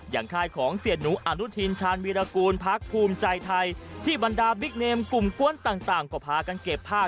ค่ายของเสียหนูอนุทินชาญวีรกูลพักภูมิใจไทยที่บรรดาบิ๊กเนมกลุ่มกวนต่างก็พากันเก็บผ้า